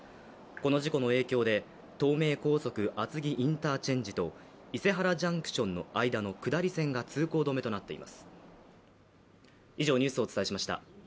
この事故の影響で東名高速厚木インターチェンジと伊勢原ジャンクションの間の下り線が通行止めとなっています。